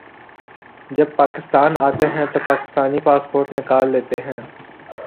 جب پاکستان آتے ہیں تو پاکستانی پاسپورٹ نکال لیتے ہیں